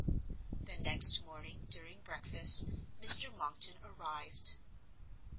The next morning during breakfast Mr Monckton arrived.